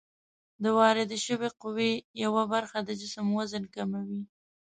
د واردې شوې قوې یوه برخه د جسم وزن کموي.